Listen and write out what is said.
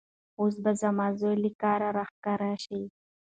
اوس به زما زوی له کاره راښکاره شي.